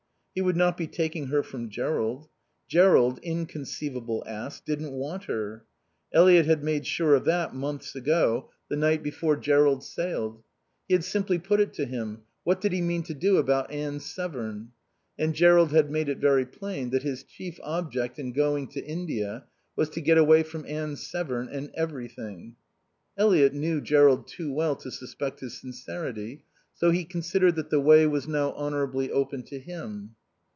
He would not be taking her from Jerrold. Jerrold, inconceivable ass, didn't want her. Eliot had made sure of that months ago, the night before Jerrold sailed. He had simply put it to him: what did he mean to do about Anne Severn? And Jerrold had made it very plain that his chief object in going to India was to get away from Anne Severn and Everything. Eliot knew Jerrold too well to suspect his sincerity, so he considered that the way was now honorably open to him.